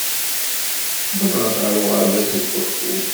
Wwḍeɣ ɣer uɣerbaz deg wakud.